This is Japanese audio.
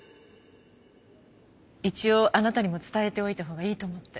一応あなたにも伝えておいたほうがいいと思って。